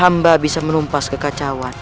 masuklah ke dalam